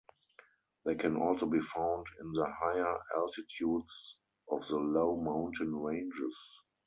They can also be found in the higher altitudes of the low mountain ranges.